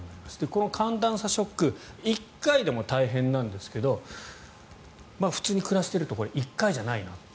この寒暖差ショック１回でも大変なんですけど普通に暮らしていると１回じゃないな。